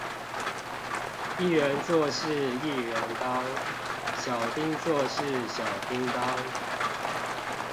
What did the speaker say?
一人做事一人當，小叮做事小叮噹